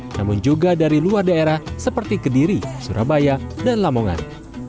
namun juga dari luar daerah seperti kediri surabaya dan lamongan